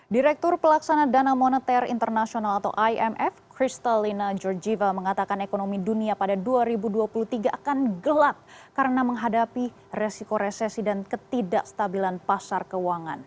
direktur pelaksana dana moneter internasional atau imf kristalina georgieva mengatakan ekonomi dunia pada dua ribu dua puluh tiga akan gelap karena menghadapi resiko resesi dan ketidakstabilan pasar keuangan